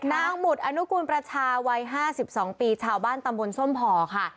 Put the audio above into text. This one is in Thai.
หมุดอนุกูลประชาวัย๕๒ปีชาวบ้านตำบลส้มห่อค่ะ